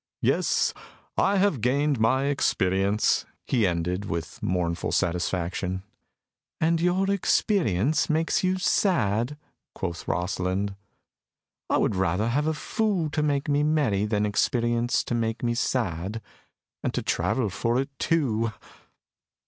"Yes, I have gained my experience," he ended, with mournful satisfaction. "And your experience makes you sad?" quoth Rosalind. "I would rather have a fool to make me merry than experience to make me sad. And to travel for it too!"